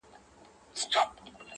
زه چی هرڅومره زړېږم دغه فکر مي زیاتیږي،